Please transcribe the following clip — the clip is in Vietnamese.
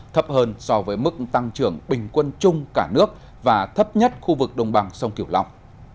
thấp hơn so với mức tăng trưởng bình quân chung cả nước và thấp nhất khu vực đồng bằng sông kiểu long